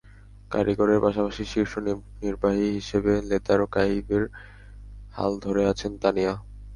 কারিগরের পাশাপাশি শীর্ষ নির্বাহী হিসেবে লেদার কেইভের হাল ধরে আছেন তানিয়া।